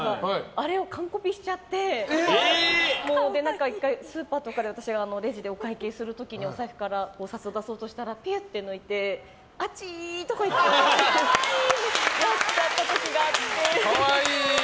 あれを完コピしちゃって、だから１回スーパーとかでレジでお会計する時にお財布からお札を出そうとしたらピュッと抜いてあちー！とかってやっちゃった時があって。